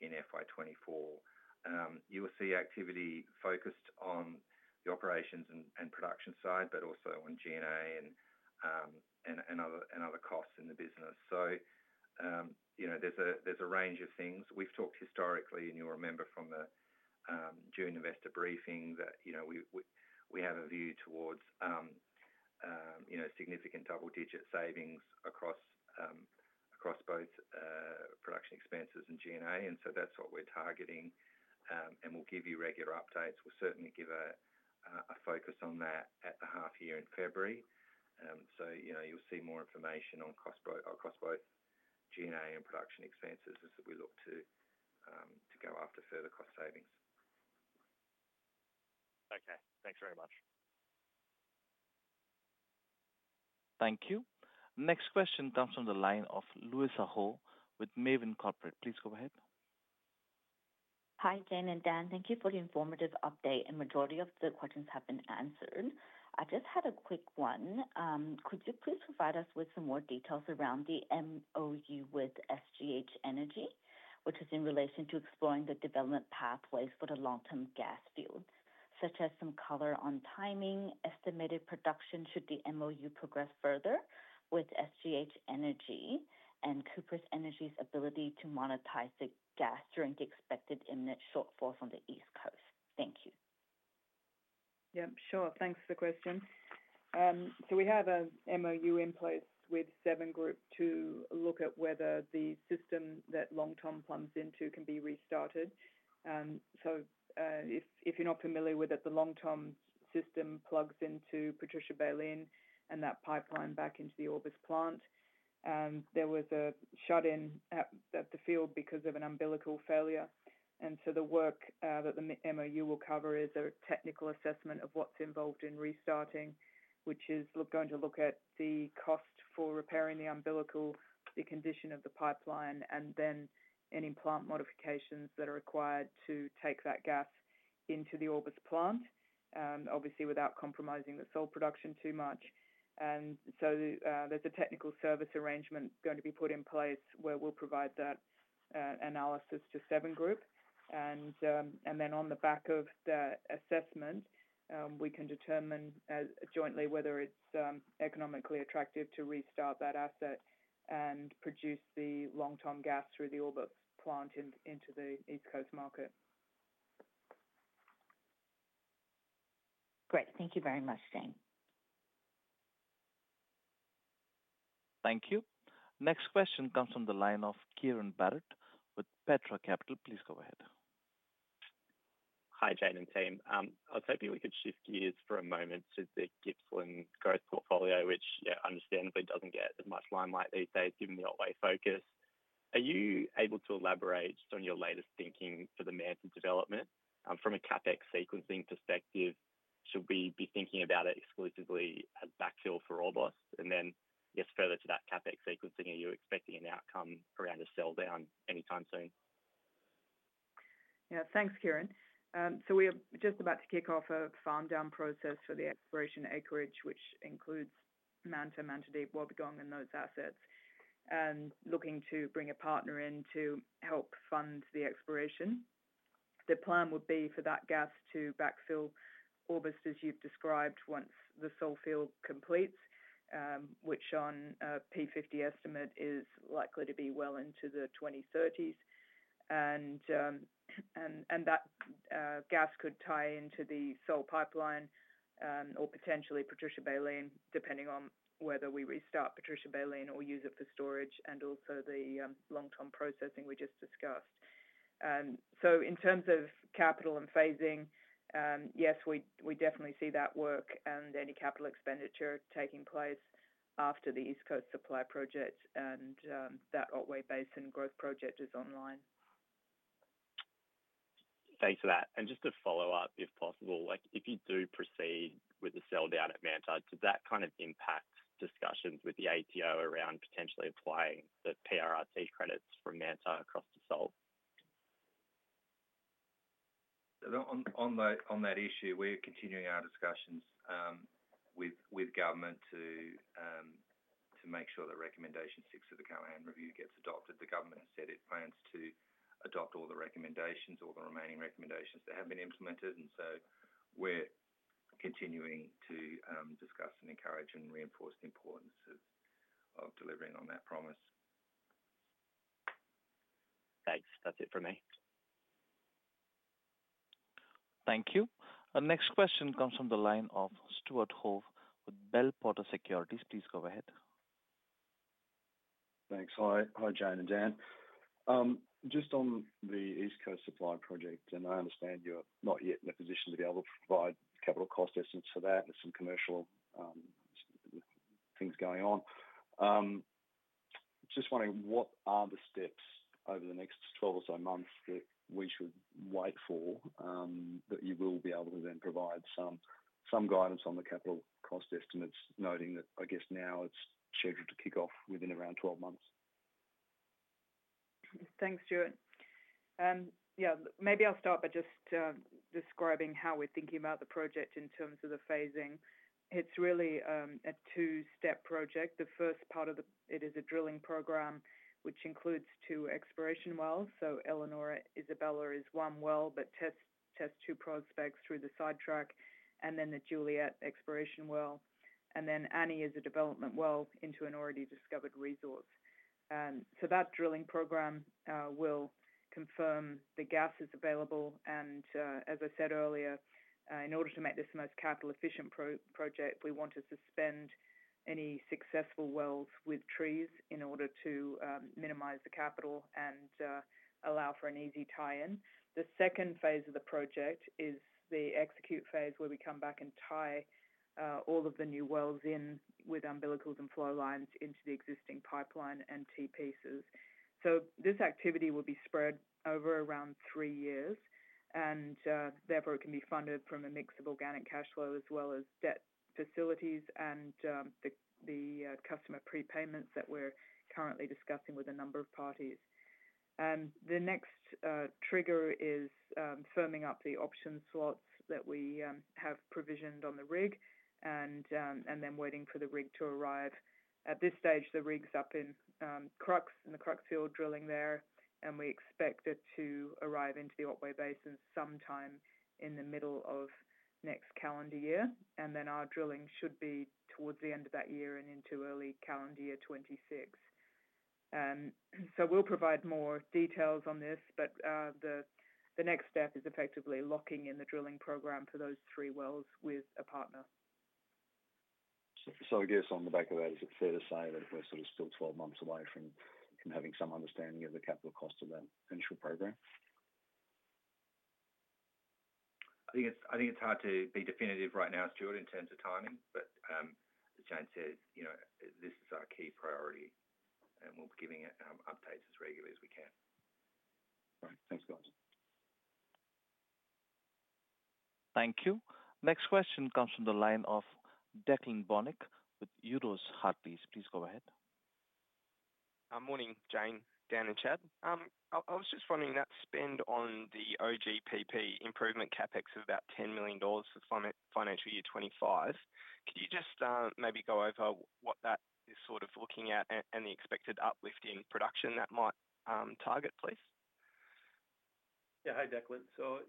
in FY 2024. You will see activity focused on the operations and production side, but also on G&A and other costs in the business. So, you know, there's a range of things. We've talked historically, and you'll remember from the June investor briefing, that, you know, we have a view towards, you know, significant double-digit savings across both production expenses and G&A, and so that's what we're targeting. We'll give you regular updates. We'll certainly give a focus on that at the half year in February. So, you know, you'll see more information on costs across both G&A and production expenses as we look to go after further cost savings. Okay. Thanks very much. Thank you. Next question comes from the line of Louisa Ho with Maven Corporate. Please go ahead. Hi, Jane and Dan. Thank you for the informative update, and majority of the questions have been answered. I just had a quick one. Could you please provide us with some more details around the MOU with SGH Energy, which is in relation to exploring the development pathways for the Longtom gas fields? Such as some color on timing, estimated production, should the MOU progress further with SGH Energy and Cooper Energy's ability to monetize the gas during the expected imminent shortfall from the East Coast? Thank you. Yep, sure. Thanks for the question. So we have an MOU in place with Seven Group to look at whether the system that Longtom pumps into can be restarted. So, if you're not familiar with it, the Longtom system plugs into Patricia-Baleen and that pipeline back into the Orbost plant. There was a shut in at the field because of an umbilical failure. And so the work that the MOU will cover is a technical assessment of what's involved in restarting, which is going to look at the cost for repairing the umbilical, the condition of the pipeline, and then any plant modifications that are required to take that gas into the Orbost plant, obviously, without compromising the Sole production too much. And so, there's a technical service arrangement going to be put in place where we'll provide that analysis to Seven Group. And then on the back of that assessment, we can determine jointly whether it's economically attractive to restart that asset and produce the Longtom gas through the Orbost plant into the East Coast market. Great. Thank you very much, Jane. Thank you. Next question comes from the line of Kieran Barratt with Petra Capital. Please go ahead. Hi, Jane and team. I was hoping we could shift gears for a moment to the Gippsland Growth portfolio, which, you know, understandably doesn't get as much limelight these days, given the Otway focus. Are you able to elaborate on your latest thinking for the Manta development? From a CapEx sequencing perspective, should we be thinking about it exclusively as backfill for Orbost? And then, yes, further to that CapEx sequencing, are you expecting an outcome around a sell down anytime soon? Yeah. Thanks, Kieran. So we are just about to kick off a farm down process for the exploration acreage, which includes Manta, Manta Deep, Wobbegong, and those assets. And looking to bring a partner in to help fund the exploration. The plan would be for that gas to backfill Orbost, as you've described, once the Sole field completes, which on a P50 estimate is likely to be well into the 2030. And that gas could tie into the Sole pipeline, or potentially Patricia-Baleen, depending on whether we restart Patricia-Baleen or use it for storage, and also the Longtom processing we just discussed. So in terms of capital and phasing, yes, we definitely see that work and any capital expenditure taking place after the East Coast Supply Project and that Otway Basin growth project is online. Thanks for that. And just to follow up, if possible, like, if you do proceed with the sell down at Manta, does that kind of impact discussions with the ATO around potentially applying the PRRT credits from Manta across to Salt? On that issue, we're continuing our discussions with government to make sure that recommendation six of the Callaghan Review gets adopted. The government has said it plans to adopt all the recommendations, all the remaining recommendations that have been implemented, and so we're continuing to discuss and encourage and reinforce the importance of delivering on that promise. Thanks. That's it for me. Thank you. Our next question comes from the line of Stuart Howe with Bell Potter Securities. Please go ahead. Thanks. Hi. Hi, Jane and Dan. Just on the East Coast Supply Project, and I understand you're not yet in a position to be able to provide capital cost estimates for that. There's some commercial things going on. Just wondering, what are the steps over the next 12 or so months that we should wait for, that you will be able to then provide some guidance on the capital cost estimates, noting that, I guess now it's scheduled to kick off within around 12 months? Thanks, Stuart. Yeah, maybe I'll start by just describing how we're thinking about the project in terms of the phasing. It's really a two-step project. The first part is a drilling program, which includes two exploration wells. So Elanora, Isabella is one well, but tests two prospects through the sidetrack, and then the Juliet exploration well, and then Annie is a development well into an already discovered resource. So that drilling program will confirm the gas is available, and as I said earlier, in order to make this the most capital efficient project, we want to suspend any successful wells with trees in order to minimize the capital and allow for an easy tie-in. The second phase of the project is the execute phase, where we come back and tie all of the new wells in with umbilicals and flow lines into the existing pipeline and T-pieces, so this activity will be spread over around three years, and therefore, it can be funded from a mix of organic cash flow as well as debt facilities and the customer prepayments that we're currently discussing with a number of parties. The next trigger is firming up the option slots that we have provisioned on the rig, and then waiting for the rig to arrive. At this stage, the rig's up in Crux, in the Crux field, drilling there, and we expect it to arrive into the Otway Basin sometime in the middle of next calendar year. Then our drilling should be towards the end of that year and into early calendar year 2026. We'll provide more details on this, but the next step is effectively locking in the drilling program for those three wells with a partner. I guess on the back of that, is it fair to say that we're sort of still 12 months away from having some understanding of the capital cost of that initial program? I think it's hard to be definitive right now, Stuart, in terms of timing. But, as Jane said, you know, this is our key priority, and we'll be giving it updates as regularly as we can. Right. Thanks, guys. Thank you. Next question comes from the line of Declan Bonnick with Euroz Hartleys. Please go ahead. Morning, Jane, Dan, and Chad. I was just wondering, that spend on the OGPP improvement CapEx of about 10 million dollars for financial year 2025. Could you just maybe go over what that is sort of looking at and the expected uplift in production that might target, please? Yeah. Hi, Declan. So,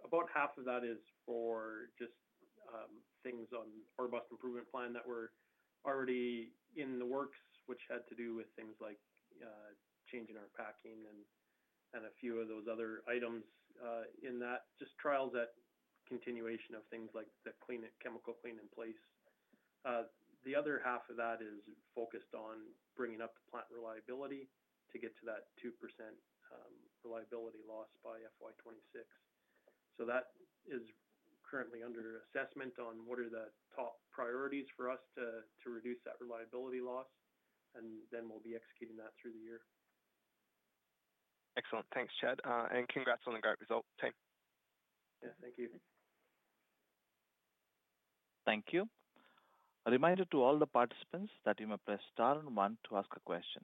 about half of that is for just things on our Orbost improvement plan that were already in the works, which had to do with things like changing our piping and a few of those other items in that. Just trials and continuation of things like the clean-in-place, chemical clean-in-place. The other half of that is focused on bringing up the plant reliability to get to that 2% reliability loss by FY 2026. So that is currently under assessment on what are the top priorities for us to reduce that reliability loss, and then we'll be executing that through the year. Excellent. Thanks, Chad, and congrats on the great result, team. Yeah, thank you. Thank you. A reminder to all the participants that you may press star one to ask a question.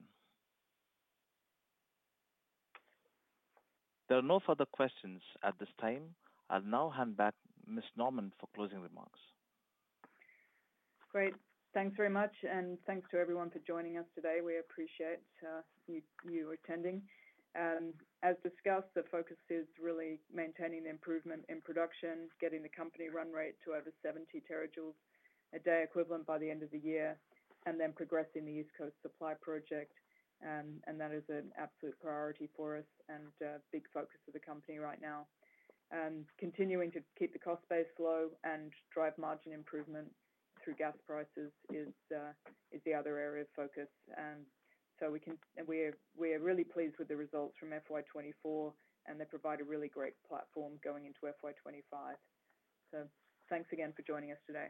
There are no further questions at this time. I'll now hand back Ms. Norman for closing remarks. Great. Thanks very much, and thanks to everyone for joining us today. We appreciate you attending. As discussed, the focus is really maintaining the improvement in production, getting the company run rate to over 70 TJ a day equivalent by the end of the year, and then progressing the East Coast Supply Project. And that is an absolute priority for us and a big focus of the company right now. Continuing to keep the cost base low and drive margin improvement through gas prices is the other area of focus. We're really pleased with the results from FY 2024, and they provide a really great platform going into FY 2025. So thanks again for joining us today.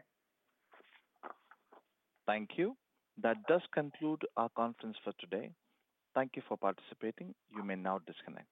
Thank you. That does conclude our conference for today. Thank you for participating. You may now disconnect.